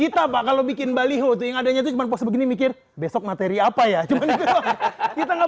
kita bakal bikin baliho tinggal dinyatuhi mampu sebegini mikir besok materi apa ya cuman kita nggak